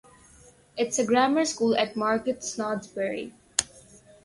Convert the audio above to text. It's a grammar school at Market Snodsbury.